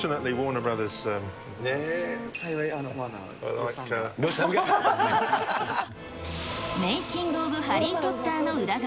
幸い、メイキング・オブ・ハリー・ポッターの裏側。